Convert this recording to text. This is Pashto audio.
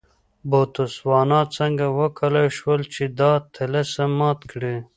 بوتسوانا څنګه وکولای شول چې دا طلسم مات کړي.